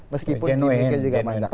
meskipun gimmicknya juga banyak